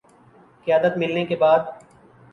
قیادت ملنے کے بعد